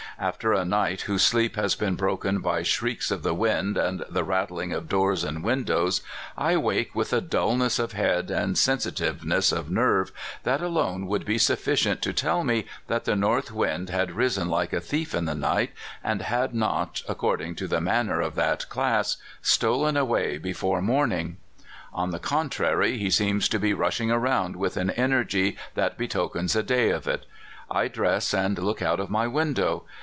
After a night whose sleep has been broken by shrieks of the wind and the rattling of doors and windows, I wake with a dullness of head and sensitiveness of nerve that alone would be sufficient to tell me that the north wind had risen like a thief in the night, and had not, according to the manner of that class, stolen away before morning. On the contrary, he seems to be rushing around with an energy that betokens a day of it, I dress, and look out of my window.